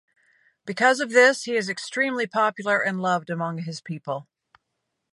Because of this, he is extremely popular and loved among his people.